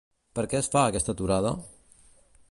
Per què es fa aquesta aturada?